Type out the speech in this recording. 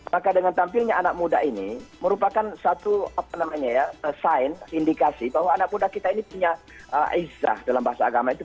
maka dengan tampilnya anak muda ini merupakan satu apa namanya ya sign indikasi bahwa anak muda kita ini punya aizah dalam bahasa agama itu